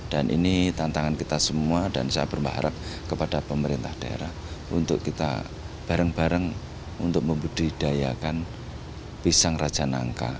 dan ini tantangan kita semua dan saya berharap kepada pemerintah daerah untuk kita bareng bareng untuk membudidayakan pisang raja nangka